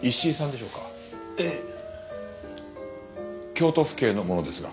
京都府警の者ですが。